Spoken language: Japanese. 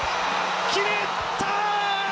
決めた！